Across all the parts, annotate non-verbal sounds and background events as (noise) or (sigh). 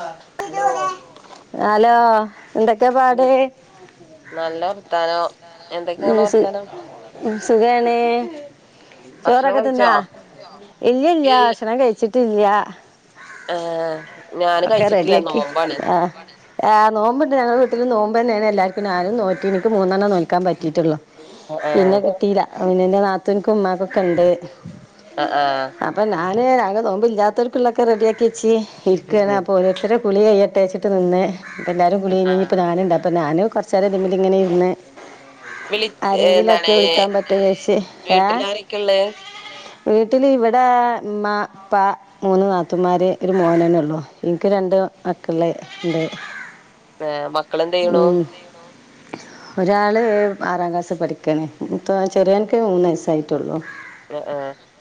ആഹ്. Hello. Hello എന്തക്കെ പാട്? നല്ല എന്തൊക്കെ വർത്താനം ഉം ഇങ്ങളെ സു വർത്താനം ഉം സുഖാണ്. ഭക്ഷണം ചോറൊക്കെ കഴിച്ചോ തിന്നോ? ഇല്ല ഇല്ല ഭക്ഷണം കഴിച്ചിട്ടില്ല. ആഹ്. ഞാന് ഒക്കെ റെഡി കഴിച്ചിട്ടില്ല ആക്കി നോമ്പാണ് ആഹ്. ആഹ് നോമ്പ്ണ്ട് ഞങ്ങള വീട്ടിൽ നോമ്പന്നെണ് എല്ലാർക്കും ഞാനും നോറ്റീനി എനിക്ക് മൂന്നെണ്ണം നോൽക്കാൻ പറ്റിയിട്ടുള്ളു. പിന്നെ ആഹ് കിട്ടീല പിന്നെന്റെ നാത്തുന്ക്കും ഉമ്മാക്കൊക്കെ ഉണ്ട്. അഹ് ആഹ്. അപ്പം ഞാൻ അങ്ങ് നോമ്പ് ഇല്ലാത്തോൽക്ക് ള്ളക്കെ റെഡിയാക്കി വെച്ച്. ഇരിക്കുകയാണ് ആഹ് അപ്പോൾ ഓരോരുത്തരെ കുളി കയ്യട്ടേച്ച്ട്ട് നിന്ന് എല്ലാരും കുളി കഴിഞ്ഞ് ഞിപ്പ ആഹ് ഞാനണ്ട്പ്പോ ഞാന് കുറച്ച് ചെലേതിമ്മല് ഇങ്ങനെ ഇര്ന്ന് വിളിച്ച് ആരെങ്കിലൊക്കെ എന്താണ് വിളിക്കാൻ പറ്റൂന്ന്ജാര്ച്ച് ഏ. വീട്ടിലാരൊക്കെ ഇള്ളെ വീട്ടില് ഇവിടെ മ്മ പ്പ മൂന്ന് നാത്തൂമാര് ഒരു മോനേന്നെ ഉള്ളു. ഇന്ക്ക് രണ്ട് മക്കള് ഇണ്ട് ഏഹ് മക്കളെന്ത് ചെയ്യ്ണു ഉം. (inaudible) ഒരാള് ആറാം ക്ലാസ് പഠിക്കാണ് മൂത്ത ചെറിയോന്ക്ക് മൂന്ന് വയസ്സായിട്ടുള്ളു. അ അ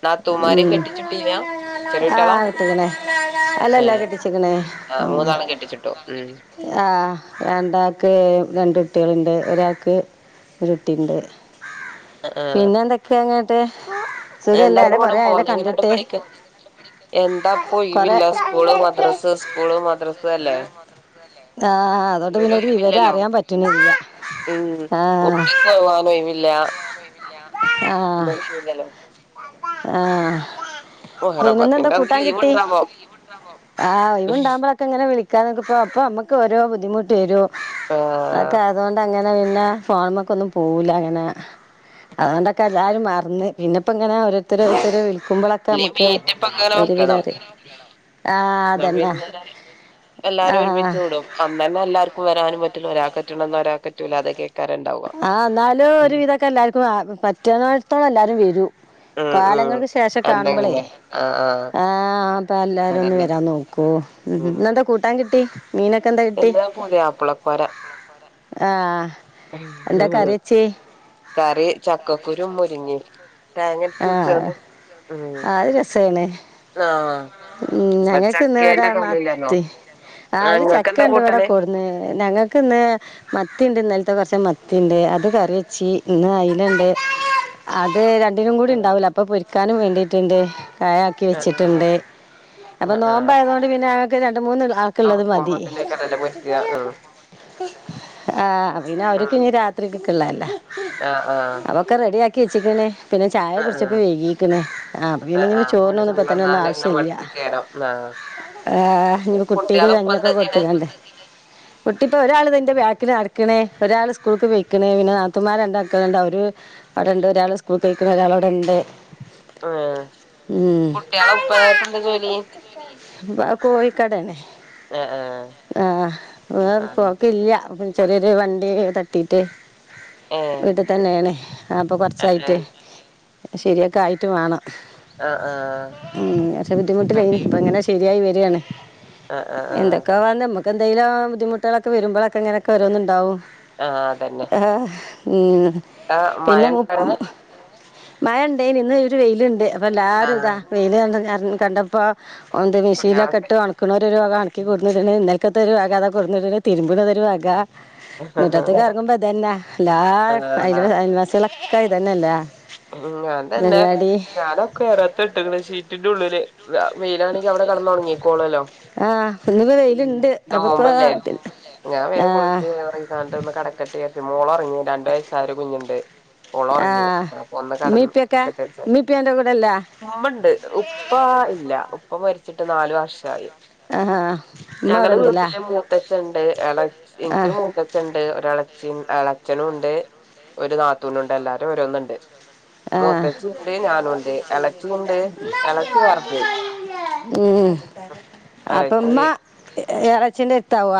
നാത്തൂമാര് കെട്ടിച്ചിട്ടീല്ല? ചെറിയ കുട്ട്യാളാ ആഹ് കെട്ടിക്ക്ണ് അല്ലല്ലാ ഏഹ് കെട്ടിച്ചിക്ക്ണ് ആഹ് ഉം. മൂന്നാളീം കെട്ടിച്ചിട്ടു ഉം ആഹ് രണ്ടാക്ക് രണ്ട് കുട്ടികളുണ്ട് ഒരാൾക്ക്. ഒരുകുട്ടിണ്ട് പിന്നെ എന്തക്കെങ്ങട്ട്? എന്താങ്ങട്ടും ഇങ്ങട്ടും പോര്ണങ്കി എങ്ങനണ്ട് പഠിക്ക എന്താപോ ഒഴിവില്ല കൊറേ സ്കൂള് മദ്രസ. പ്പ സ്കൂള് മദ്രാസ അല്ലേ? താ അതോണ്ട് പിന്നെ ഒരു വിവരം അറിയാൻ പറ്റ്ണില്ല. ഉം മുട്ടിക്ക്വാവാന് ഒഴിവില്ല ആഹ് (unintelligible) ആഹ് മുഹറം പിന്നെന്നന്താ പത്തിന്റെ അന്ന് കൂട്ടാൻ ലീവ് കിട്ടി? ഉണ്ടാവോ ആഹ് ഒഴിവുണ്ടാവുമ്പോഴൊക്കെ ഇങ്ങനെ വിളിക്കാകനിപ്പോ അപ്പോ നമ്മക്ക് ഓരോ ബുദ്ധിമുട്ട് വരും. ആഹ്. അതൊക്കെ അതുകൊണ്ട് അങ്ങനെ പിന്നെ ഫോണ് മ്മക്ക് ഒന്നും പോവൂല്ല അങ്ങനെ. അതോണ്ടൊക്കെ എല്ലാരും മറ്ന്ന് പിന്നെപ്പോ ഇങ്ങനെ ഓരോരുത്തരോരുത്തർ വിളിക്കുമ്പോളൊക്കെ. ഇല്ലെല് മീറ്റപ്പക്കനെ വെക്കണം ആഹ് ന്ന അതന്നെ പിന്നെ എല്ലാരും ഒരുമിച്ച് ആഹ് കുടും ആന്നന്നെ എല്ലർക്കും വരാനും പറ്റൂല്ല ഒരാൾ പറ്റാണന്ന് ഒരാൾ പറ്റൂല്ല അതൊക്കെ കറണ്ടാവും ആഹ് എന്നാലു ഒരു വിധൊക്കെ എല്ലാർക്കും പറ്റുന്നോത്തോളം എല്ലാരും വരൂ ഉം ഉം കാലങ്ങൾക്ക് ശേഷം കാണുമ്പോളേ എന്തെങ്കിലേ ആഹ് ആഹ് അപ്പോ എല്ലാരും ഒന്ന് അതന്നെ വരാൻ നോക്കോ ഉം ഉംഇന്ന് എന്താ കൂട്ടാൻ കിട്ടി മീനൊക്കെ എന്താ കിട്ടി ആഹ് എന്താ കറി വെച്ചേ കറി ചക്കക്കുരു മുരുങ്ങി തേങ്ങ അരച്ച് വെച്ച്ങ്ങട് ആത് രസണേ ആഹ് ഉം ഇപ്പൊ ഞങ്ങൾക്ക് ഇന്ന് ഇവിടെ ചക്കേന്റെ കളിയല്ലെന്നോ മത്തി ആഹ് ആ അത് ഇങ്ങക്കെന്താ ചക്ക ഇണ്ട് ഇവിടെ കൂട്ടാന് കൊട്ന്ന് ഞങ്ങൾക്ക് ഇന്ന് മത്തി ഇണ്ട് ഇന്നലത്തെ കൊറച്ച് മത്തിയ ഇണ്ട് അത് കറി വെച്ചി പിന്നെ അയിനുണ്ട് അത് രണ്ടിനും കൂടി ഇണ്ടാവൂല അപ്പൊ പൊരിക്കാനും വേണ്ടീട്ടുണ്ട് കയാക്കി ആ വെച്ചിട്ടുണ്ട് ആ അപ്പൊ നോമ്പ് ആയതുകൊണ്ട് പിന്നെ അവക്ക് രണ്ട മൂന്ന് ക്ലാ തോരക്കുബോതിനല്ലേ (unintelligible) പൊരിക്ക ഉം ആഹ് പിന്നെ അവർക്ക് ഇനി രാത്രിക്കള്ളല്ലൊ ആ ആ ആ ഒക്കെ റെഡിയാക്കി വെച്ചുക്ക്ണ് പിന്നെ ചായ ആ കുടിച്ചപ്പോ വൈകിക്ക്ണ് ആ പിന്നെ ആ ഇമ്മ പിന്നെ ചോറിനൊന്നും ഇപ്പൊ ത്തന്നെ ഒന്നും ചോറ്ന്നാണ്ട് ഇങ്ങനെ ആവുഷ്യല്ല മടിച്ചിക്കേരം ആ ഏഹ് ഇനി കുട്ടിക്ക് കുട്ട്യാളെ ഉപ്പ കഞ്ഞിയൊക്കെ എന്താ ചെയ്യ്ണെ കൊടുത്തക്കണ്ടേ കുട്ടി ഇപ്പൊ ഒരാൾള് ഇതാ ഇന്റെ ബാക്കില് നടക്കണേ ഒരാൾ സ്കൂളക്ക് പോയിക്കണേ പിന്നെ നാത്തൂമാര് രണ്ട് അക്കളുണ്ട് അവര് അവിടെണ്ട് ഒരാൾ സ്കൂൾ പൊയ്ക്ക്ണ് ഒരാൾ അവിടെണ്ട് ആഹ് കുട്ടികളെ ഉപ്പായൊക്കെ എന്താ ജോലി ഇബടെ കോഴിക്കടാ ആഹ് ആഹ് വേറെ കൊക്കല്ല ചെറിയൊരു വണ്ടി തട്ടിട്ട് ഏ വീട്ടി തന്നെണ് അപ്പൊ ആ കുറച്ചായി ആ ശരിയൊക്കെ ആയിട്ട് വേണം ആ ആ ഉം ലേശം ബുദ്ധിമുട്ടിലെന്ന് ഇപ്പൊ ഇങ്ങനെ ശരിയായി വരയാണ് ആ ആ ആ എന്തൊക്കാ വ എന്തെങ്കും ബുധിമുട്ടുകളൊക്കെ വരുബോളൊക്കെ ഇങ്ങനെ ഒക്കെ ഓരോന്നുണ്ടാവും ആഹ് അതന്നെ ആഹ് ഉം ആഹ് മഴ പിന്നെ ഇണ്ടോ അവിടെ മു- മഴ ഇണ്ടായിന് ഇന്ന് ഒര് വെയിലുണ്ട് അപ്പൊ ആ എല്ലാരും ഇതാ വൈല് കണ്ട് ഇതാ കണ്ടപ്പോ ഒന്ത് മിഷീനിലൊക്കെ തുണ്യാളൊക്കെ ഇട്ട് ഒണക്ക്ണോല് ഒരു വക ഓണക്കി കൊണ്ട് ഇട്ണ് ഇന്നാ ത്തത് ഒരു വക അതാ കൊടുന്നിടുന്ന് തിരുബ്ണാതാ ഒരു വക മുറ്റത്ത്ക്ക് ഇറങ്ങുമ്പ ഇതന്നെ എല്ലാ ആ അ ആ അയൽവാസിക്കളൊക്കെ ഇതാന്നെല്ല ഉ ഉം അതന്നെ ഞാൻ ഒക്കെ ഏറെത് റത്ത ഇട്ടക്കാണ് സീറ്റിന്റെ ഉള്ളില് വ വൈലാണെങ്കി അവിടെ കടന്ന ഓണോങ്ങിക്കോളൊലോ ആഹ് ഇന്ന് ഉം നോമ്പല്ലേ ഞാൻ വേഗം പോയിട്ട് ആഹ് ചോറ് തിന്നാട്ട് ഒന്ന് കടക്കട്ടെ കരുതി മോള് ഒറങ്ങി രണ്ടു വയസ വയസായ ഒരു കുഞ്ഞുണ്ട് ഓള് ഒറങ്ങി ആഹ് അപ്പൊ ഒന്ന് ഉമ്മേം കടന്ന് ഉപ്പയൊക്കെ നിക്കട്ടേച്ചാണ്ട് ഉമ്മേം ഉപ്പയും അന്റെ കൂടെല്ലേ ഉമ്മണ്ട് ഉപ്പ ഇല്ല ഉപ്പ മരിച്ചിട്ട് നാല് വർഷായി ആഹ് ഉമ്മ അവിടെ ഞങ്ങളെ ഉണ്ടല്ലേ വീട്ടില് മ മൂത്തച്ഛൻഡ് എളേ എനിക്ക് ഒരു ആഹ് മൂ ച്ഛൻഡ് ഇണ്ട് ഒര് എള്ളച്ചി ഇല്ലേച്ഛൻഡ് ഒര് നാത്തൂന്നുണ്ട് എല്ലാരും ഓരോന്ന് ഇണ്ട് ആഹ് എളച്ചിണ്ട് എളച്ചി വേറെ പോയി ഉം അപ്പൊ ഇമ്മ എളച്ചി എളേച്ചിന്റ എരുതാവോ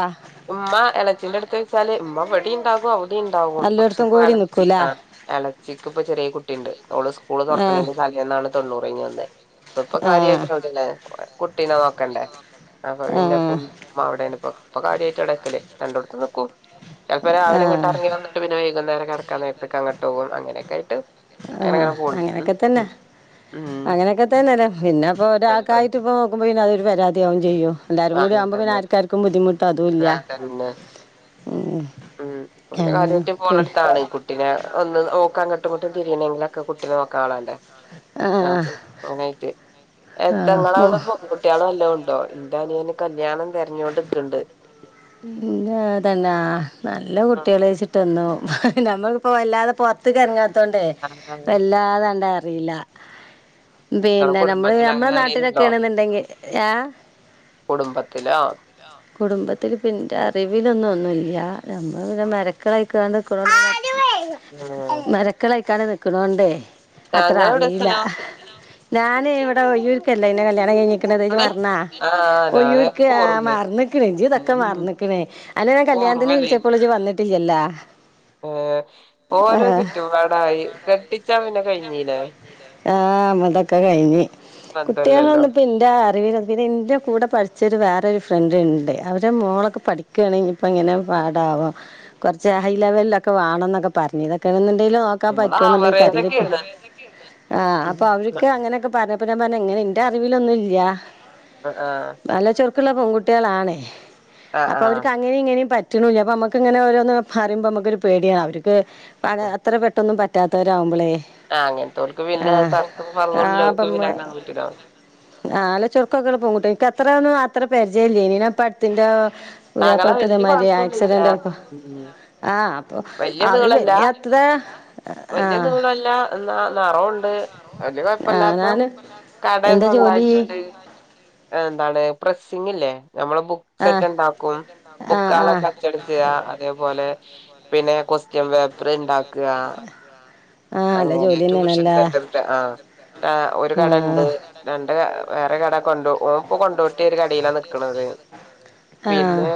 ഉമ്മ ഇളച്ചിന്റെ അടുത്ത് വെച്ചാല് ഉമ്മ ഇവിടെ ഉണ്ടാകും അവിടെ ഉണ്ടാവും പക്ഷെ എല്ലായിടത്തും ഇപ്പോ കൂടി ഇളച്ചി നിൽക്കൂല ആ എളച്ചിക്കിപ്പ ചെറിയ കുട്ടിയുണ്ട് അവള് സ്കൂള് തുറക്കണീന്റെ തലേന്നാണ് തൊണ്ണൂറ് കഴിഞ്ഞ് വന്നെ ഇപ്പൊ ഇപ്പൊ ആ കാര്യയിട്ട് (unintelligible) കുട്ടീനെ നോക്കണ്ടേ അപ്പൊ ആ പിന്നെപ്പ ഉമ്മ അവിടെയാണിപ്പോ ഇപ്പൊ കാര്യമായിട്ട് അവിട നിക്കല് രണ്ടെടത്തും നിക്കും ചെലപ്പൊ ആ രാവിലെ ഇങ്ങട്ട് എറങ്ങി വന്ന പിന്ന വൈകുന്നേരം കിടക്കാൻ നേരത്ത് അങ്ങട്ട് പോകും അങ്ങനൊക്കെയായിട്ട് ആഹ് അങ്ങനെയൊക്കെ തന്നെ ഉം അങ്ങനെയൊക്കെ തന്നെ പിന്നെപ്പൊ ഒരാക്കായിട്ട് ഇപ്പൊ പിന്ന അതൊരു പരാതിയാവും ചെയ്യും എല്ലാരും കൂടി അങ്ങനെ ആവുമ്പോൾ പിന്നെ തന്നെ ആർക്കാർക്കും ബുദ്ധിമുട്ട് അതും ഇല്ല ആ തന്നെ ഉം ഉം അപ്പൊ പിന്ന അങ്ങനെ പി- (unintelligible) പിന്നെ ഒന്ന് ഓക്ക് അങ്ങട്ടും ഇങ്ങട്ടും തിരിയണെങ്കിലൊക്കെ കുട്ടിനെ നോക്കാൻ ആള് ആ വേണ്ടേ ആ മോ- (unintelligible) കുട്ടികളും വല്ലോം ഉണ്ടോ എൻ്റെ അനിയന് കല്യാണം തിരഞ്ഞുകൊണ്ടിക്കണ്ട് പിന്നെ തന്നാ നല്ല കുട്ടികള വെച്ചിട്ടന്നു നമ്മൾ അപ്പൊ വല്ലാതെ പൊറത്ത്ക്ക് എറങ്ങാത്തോണ്ടേ വല്ലാതാണ്ടെ അറിയില്ല ഇങ്ങളെ പിന്നെ നമ്മള് കുടുംബത്തില് നമ്മളുടെ അങ്ങനെ ആരേലും നാട്ടിലൊക്കെ ഉണ്ടോ ആണെന്നുണ്ടെങ്കിൽ ഏഹ് കുടുംബത്തിലോ കുടുംബത് ത്തിൽ ഇപ്പ എൻ്റെ അറിവിലൊന്നും ഒന്നുല്ല നമ്ള് പിന്നെ ഉം (unintelligible) (unintelligible) നിക്കണോണ്ടേ അത്ര ഞങ്ങളെവിടെ അറിയില്ല സ്ഥലം ഞാന് ഇവിടെ ഒയ്യൂർക്കല്ലേ എന്റെ കല്യാണം കഴിഞ്ഞിക് ക്കണത് ഇജ്ജ് എവിടെ മറന്ന ആഹ് ഞാന് ഒയ്യൂർക്ക് ഇക്ക് ആഹ് ഓർമ്മല്ലേ മറന്നക്ക്ണ് ക്കെ ഉം ഇക്ക് മർന്നിക്കണേ അന്നെ കല്യാണത്തിന് ഓർമ്മല്ലേ വിളിച്ചപ്പോൾ ഇജ്ജ് വന്നിട്ടില്ലല്ലാ ഏഹ് ഓരോ ആ ചുറ്റുപാടായി കെട്ടിച്ചാ പിന്നെ കഴിഞ്ഞീലേ ആഹ് അമ്മതൊക്കെ കഴിഞ്ഞ് ബന്ധല്ലല്ലോ കുട്ടികളൊന്നും പിന്റെ അറിവില് പിന്നെ എന്റെ കൂടെ പഠിച്ചരു വേറെ ഒരു ഫ്രണ്ട് ഉണ്ട് അവ രെ മോളൊക്കെ പഠിക്കുകയാണെങ്കി ഇപ്പ ഇങ്ങന പാടാവൊ കുറച്ച് ഹൈലെവലിലൊക്കെ വേണം എന്നൊക്കെ പറഞ്ഞ് ഇതൊക്കെ എങ്ങനെന്തേലും നമ്മള് (unintelligible) ആവറേജൊക്കെയാണ് (unintelligible) ആഹ് അപ്പൊ അവർക്ക് അങ്ങനെയൊക്കെ പറഞ്ഞ അപ്പ ഞാൻ പറഞ്ഞ എങ്ങനെ എന്റെ അറിവിലൊന്നുല്ല ആഹ് ആഹ് നല്ല ചുറുക്കുള്ള പെൺകുട്ടികളാണെ ആഹ് അപ്പൊ ആഹ് അവർക്ക് അങ്ങനെ ഇങ്ങനെ പറ്റുന്നുല്ല അപ്പൊ നമുക്ക് ഇങ്ങനെ ഓരോന്ന് പറയുമ്പോ നമുക്കൊരു പേടിയാണ് അവര് ക്ക് ആഹ് അത്ര പെട്ടൊന്നും പറ്റാത്തവരാവുമ്പോളെ ആഹ് അങ്ങനത്തെവർക്ക് പിന്നെ (unintelligible) ആഹ് നല്ല ചുറുക്കൊക്കെ പെൻകുട്ടിയ എനിക്കത്ര ഒന്നും അത്ര പരിചയല്ല (unintelligible) ആങ്ങള വലിയ കോഴപ്പൊന്നുല്ല ഉം ആഹ് അപ്പൊ വല്യ അവര് നീളല്ല വല്യ അത്ര വല്യ ആഹ് നീളല്ല എന്നാ നിറോണ്ട് വലിയ ആഹ് കൊഴപ്പില്ലാത്ത ഞാന് കട എന്താ ജോലി സ്വന്തായിട്ടുണ്ട് എന്താണ് പ്രസിങ്ങ് ഇല്ലേ നമ്മള് ബുക്സ് ഒക്കെ ആഹ് ഉണ്ടാക്കും ആഹ് ആഹ് ബുക്കാളൊക്കെ അച്ചടി ച്ച് അതേപോലെ പിന്നെ കൊസ് റ്റിയൻ പേപ്പറ് ഇണ്ടാക്കുക അങ്ങനെ ട്യൂഷൻ സെന്റർ ആഹ് ഒരു കട ഉണ്ട് ആഹ് രണ്ട് വേറെ കട കൊണ്ട് ഓൻ ഇപ്പ കൊണ്ടോ ട്ടി ഒരു കടയിലാ നിക്കണത് ആഹ് പിന്നെ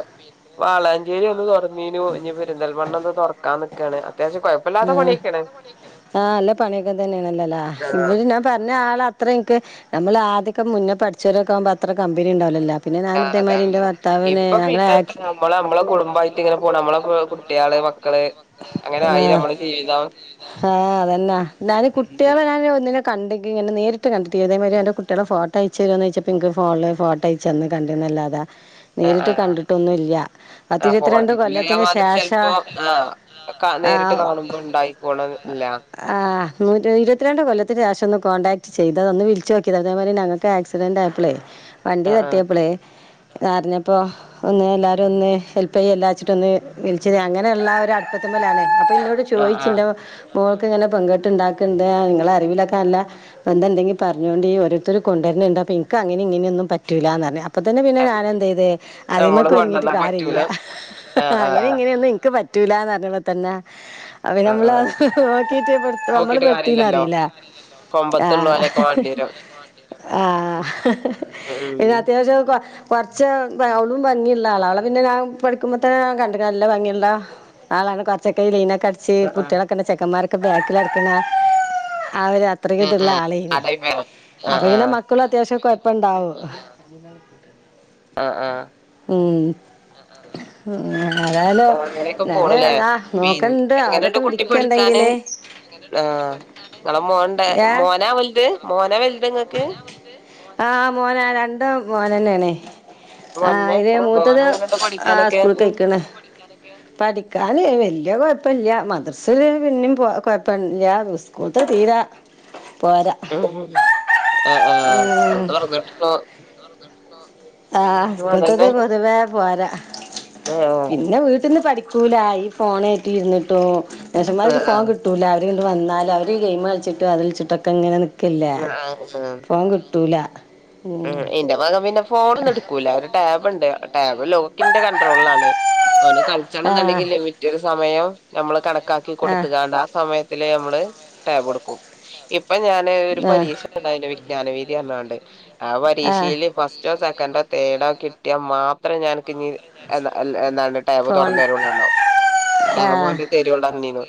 വാളാഞ്ചേരി ഒന്ന് തുറന്നീനു ഇനി പെരിന്തൽമണ്ണ ഒന്ന് തുറക്കാനിക്കാണ് അത്യാവശ്യം കുഴപ് ആഹ് ആഹ് നല്ല പണിയൊക്കെ തന്നെയണല്ലല്ലേ ഇത് പിന്ന പറഞ്ഞ ആൾ അത്ര എനിക്ക് നമ്മൾ ആദ്യക്കെ മുന്നേ പഠിച്ചവരൊക്കാവുമ്പോ അത്ര കമ്പനി ഉണ്ടാവലല്ലോ പിന്നെ ആഹ് ഞാനിട്ടെ മാതിരി അതാണ് എന്റെ ഭർത്താവിനെ ഇപ്പൊ നല്ല പിന്നെ ആക് എത്ര നമ്മള് നമ്മളും കുടുംബമായിട്ട് ഇങ്ങനെ പോണ് നമ്മള കുട്ടികള് മക് മക്കള് അങ്ങനെ ആയി നമ്മള് ജീവിതം ആഹ് അതന്നാ ഞാൻ ഉം കുട്ടികളെ ഞാൻ ഒന്ന കണ്ടികണ് നേരിട്ട് കണ്ടിട്ടില്ല ഇതാപ്പോലെ കുട്ടികൾടെ ഫോട്ടോ അയച്ചതാരുന്നോ ചോയിച്ചപ്പം ഇനക്ക് ഫോണിൽ ഫോട്ടോ അയച്ച ചെന്ന് കണ്ടു എന്നല്ലാതെ ആഹ് നേരിട്ട് ആഹ് കണ്ടിട്ടൊന്നും ഇല്ല ആ പത്തിരുപത്തിരണ്ട് കൊല്ലത്തിന് ശേഷ ഒക്കെ നേരിട്ട് കാണുമ്പോ ഉണ്ടായിക്കോണം ഇല്ല ആഹ ഇരുപത്തിരണ്ട് കൊല്ലത്തി ശേഷം ഒന്ന് കോണ്ടാക്ട് ചെയ്ത ഒന്ന് വിളിച്ചുനോക്കിയതാ ഇതേമാതിരി ഞങ്ങക്ക് ഒരു ആക് ക്സിഡന്റ് ആയപ്പൊളെ വണ്ടി ആഹ് തട്ടിയപ്പളേ അറിഞ്ഞപ്പോ ഒന്ന് എല്ലാരും ഒന്ന് ഹെൽപ്പ് ചെയ്യല്ലാ വച്ചിട്ട് ഒന്ന് വിളിച്ചത് അങ്ങനെയുള്ള അടു പ്പത്തുമാലാണ് അപ്പൊ ഇന്നോട് ആഹ് ചോയിച്ച് ആഹ് ന്റെ മോൾക്ക് ഇങ്ങനെ പെങ്കെട്ട് ഉണ്ടാക്കണ്ട് നിങ്ങളെ അറിവിലൊക്കെ നല്ല ബന്ധം ഉണ്ടങ്കിൽ പറഞ്ഞോണ്ടീ ഓരോരുത്തരു കൊണ്ടുവരുന്നുണ്ട് അപ്പോ എനിക്ക് അങ്ങനെ ഇങ്ങനൊന്നും പറ്റൂലന്ന് പറഞ്ഞു അപ്പ തന്നെ പിന്നെ ആഹ് ഞാൻഎന്ത ചെയ്തേ നമ്മള് അതിമക്ക് ഒരുങ്ങിട്ട് കൊണ്ടന്നാ കാര്യല്ല പറ്റൂല ആഹ് അങ്ങനെ ആഹ് ഇങ്ങനെയൊന്നും ൻക്ക് പറ്റ പറ്റൂലാന്ന് പറഞ്ഞപ്പൊ തന്നെ അ (unintelligible) ആഹ് നമ്മൾ അത് ആഹ് നോക്കിട്ടേ നമ്മള് നോക്കിട്ട് പെടുത്തീന്ന് കാര്യല്ലല്ലോ അറീല ആഹ് കൊമ്പത്തുള്ളോലൊക്കെ വാണ്ടിയരും ആഹ പിന്നെ ഉം അത്യാവശ്യം കുറച്ച് അവളും ഭംഗിയുള്ള ആള അവളെ പിന്നെ ഞാൻ പഠിക്കുമ്പോത്തന്നെ ഞാൻ കണ്ട്ണ് നല്ല ഭംഗിയുള്ള ആളാണ് കുറച്ചൊക്കെ ലൈനൊക്കെ അടിച്ച് ഉം കുട്ടികളൊക്കെ ചെക്കന്മാരൊക്കെ ബാക്കിൽ നടക്കുന്ന ആ ഒരു അത്ര ഇതുള്ള ഉം ആ ആ ആ ആ ആ ആളേനി ടൈം വരും ആഹ് അപ്പൊ പിന്നെ ആഹ് മക്കൾ അത്യാവശ്യം കൊഴപ്പം ഉണ്ടാവും. ആഹ ആഹ ഉം ഉം ഏതായാലും ഞാന് പോണ്ലേ ആ പിന്നെ നോക്കണ്ട് എങ്ങനെണ്ട് അവരൊക്കെ കുട്ടിപഠിക്കാന് വിളിക്കണ്ടെങ്കില് ആഹ് നിങ്ങളെ മോൻ ഏഹ് മോനാ വലുത് മോനാ വലുത് നിങ്ങൾക്ക് ആഹ മോന രണ്ടാളും മോൻ തന്നെയാണ്. ആഹ മോനന്നെ അയിന് മൂത്തത് മോനെങ്ങനെണ്ട് ആ പഠിക്കാനൊക്കെ സ്കൂൾക്ക് പൊയ്ക്കണ്. പഠിക്കാന് വല്യ കൊഴപ്പല്ല മദ്രസയില് പിന്നിം കൊഴപ്പല്ല സ്കൂൾത്തെ തീരെ പോരാ അഹ ആഹ സ്കൂൾ ഉം തുറന്നിട്ടുള്ളു ആഹ് സ്കൂൾത്തത് അതന്നെ പൊതുവേ പോരാ (unintelligible) പിന്നെ വീട്ടിൽ നിന്ന് പഠിക്കൂല ഈ ഫോൺ ആയിട്ടു ഇരുന്നിട്ടോ ഏട്ടന്മാർക്ക് ആഹ് ഫോൺ കിട്ട ട്ടൂല അവര്ങ്ങട്ട് വന്നാല് അവര് ഗെയിം കളിച്ചിട്ടും അത്കളിച്ചിട്ടൊക്കെ ഇങ്ങനെ നിക്കല്ലാ (unintelligible) ഫോൺ കിട്ടൂല ഉം ഇന്റെ മകൻ പിന്നെ ഫോൺ ഒന്നും എടുക്കൂല ഒരു ടാബുണ്ട് ടാബ് ലോക്കിന്റെ കൺട്രോളിലാണ് അവന് കളിച്ചണംന്നുണ്ടെങ്കിൽ ആഹ് ലിമിറ്റട് സമയം നമ്മള് കണക്കാക്കി ആ സമയത്ത് നമ്മള് കൊടുക്കും എന്നിട്ടാണ് ഒരു പരീക്ഷ കൊടുത്തുകാണ്ട് ആ സമയത്തില് നമ്മള് ടാബ് കൊടുക്കും ഇപ്പൊ ഞാൻ ഒരു പരീക്ഷ ഉണ്ടായിരുന്നു വിജ്ഞാന വീതി എന്നു പറഞാണ്ട് ആ പരീക്ഷയില് ഫസ്റ്റ് റ്റൊ സെക്കന്റോ തെർഡോ കി ട്ടിയ മാത്രം ഞാൻ അൻകിഞ് എന്താണ് ടാബ് ഫോൺ തുറന്നു തരുള്ളൂ എന്നു പറഞ്ഞു ആ ആഹ് ഓന്റെ തരുള്ളൂ പറഞ്ഞിരുന്നു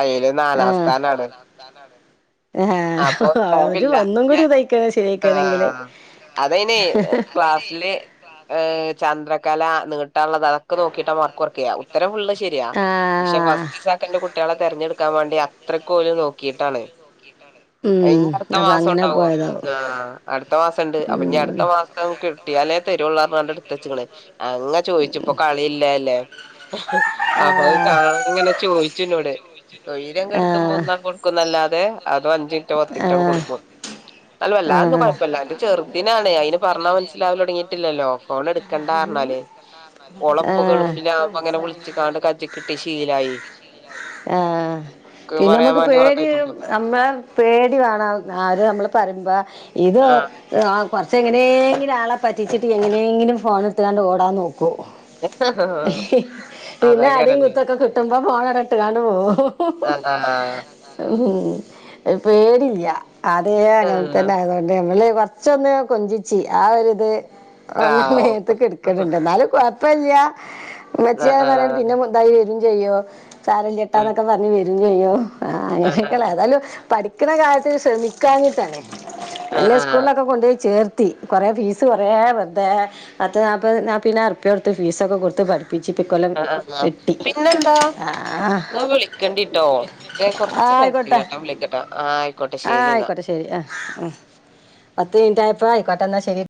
അയില് നാലാം ആഹ് സ്ഥാനാണ് സ്ഥാനാണ് ആഹ് ഒരു അപ്പൊപ്പോവില്ല ഒന്നും കൂടി ഇതായിക്കണം ശരിയായിക്കണെങ്കില് ആഹ അതയിനെ ക്ലാസ്സില് ഏഹ ചന്ദ്രകല നീട്ടാനുള്ളത ക്കെ നോക്കിട്ട മാർക്ക്‌ കൊറയ്ക്ക ഉത്തരം ഫുള്ള് ശരിയാ പക്ഷെ ആഹ് ഫസ്റ്റ് സെക്കൻഡ് കുട്ട കുട്ടികളെ തിരഞ്ഞെടുക്കാൻ വേണ്ടി അത്രക്കും ഓല് നോക്കിയിട്ടാണ്. അത് ഉം നി അടുത്ത അപ്പൊ അങ്ങനെ മാസവുഉണ്ടാവോ പോയതാവും ആ അടുത്ത മാസം ഉണ്ട് അപ്പൊ ഇഞ് അടുത്ത മാസം കിട്ടിയാലേ തെരുള്ളൂ പറഞ്ഞുകൊണ്ട് എടുത്തുവെച്ചക്കണ് ചോയിച്ചു ഇപ്പൊ കളില്ലല്ലേ അപ്പൊ അത് ആഹ് കാണുമ്പോങ്ങനെ ചോയിച്ചുന്നോട് തൊയ്ര്യം കെടുത്തുമ്പോ ആഹ് ഒന്നാണ്ട് കൊടുക്കുന്നല്ലാതെ അതൊ അഞ്ചു മിനിറ്റോ പത്തു മിനിറ്റോ ആഹ് കൊടുക്കും. ന്നാലും ആഹ് വല്ലാകുഴപ്പമില്ലാണ്ട് ചെറുതിനാണേ അയിന് പറഞ്ഞാൽ മനസ്സിലാവലു തുടങ്ങിട്ടില്ലല്ലോ ഫോൺ എടുക്കേണ്ട പറഞ്ഞാല് ഉളെ ഉപ്പ ആഹ് ഗൾഫിലാ അപ്പൊ അങ്ങനെ വിളിച്ച്കാണ്ട് കജ്ജ് കിട്ടി ശീലായി. ആഹ് ക്ക് പിന്നെ പറയാൻ നമ്മുക്ക് വേണ്ടി ഓളെ പേടിയ കൈക്കൊണ്ട് നമ്മള പേടി വേണം ആര് നമ്മള് പറയുമ്പോ ഇത് ആഹ് ആഹ് കൊറച്ച് എങ്ങനെങ്കിലും ആളെ പറ്റിച്ചിട്ട് എങ്ങനെങ്കിലും ഫോണ് ഇട്ത്ത്കാണ്ട് ഓടാൻ നോക്കും ഏഹ് ഹ ആഹ് പിന്നെ അടീം കുത്തൊക്കെ കിട്ടുമ്പോ ഫോണവടെട്ട് കാണ്ട് പോവും ആഹ് ആഹ് ആഹ് ഉം പേടില്ല ആദ്യേ അങ്ങനെ തന്നെ ആയതോ ത് മ്മല് കൊറച്ചൊന്ന് കൊഞ്ചിച്ചി ആഹ് ഒരുരിത് ആഹ് വന്നാമേത്ത്ക്കെടക്കല്ണ്ട് എന്നാലും കൊഴപ്പില്ല്യ ഉമ്മച്ച്യ ആഹ് പറഞ്ഞോണ്ട് പിന്നെ ആഹ് മ എന്തായി വരും ചെയ്യും ഉം സാരല്ല്യട്ടോന്നൊക്കെ പറഞ്ഞ് വരും ചെയ്യും ആഹ് അങ്ങനെക്കെള്ള എതായാലും പഠിക്കണ കാര്യത്തില് ശ്രമിക്കാഞ്ഞിട്ടാണേ ആഹ് വല്ല്യ ആഹ് സ്കൂളിലൊക്കെ കൊണ്ടോയി ചേർ ത്തി കൊറെ ഫീസ് കൊറേ വെറുതെ പത്ത് നാപ്പത് നാപ്പതിനായിരം റുപ്പ്യ കൊടുത്ത് ഫീസ് ഒക്കെ കൊടുത്ത് പഠി പിച്ചിപ്പികൊല്ലം ആഹ് ആഹ് വെട്ടി ആഹ് ക്കണ്ടിട്ടോ ഏഹ് കൊറച്ച് ആയിക്കോട്ടെ തെരക്കില്ലാട്ടോ ഓൻ വിളിക്കട്ടെ ആഹ് ആയിക്കോട്ടെ ശരിന്നാ ഏഹ് ആഹ് ആഹ് പത്ത് മിനിറ്റ് ആയപ്പോ ആയിക്കോട്ടെന്നാ ശരി